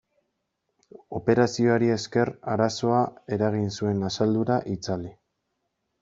Operazioari esker arazoa eragin zuen asaldura itzali.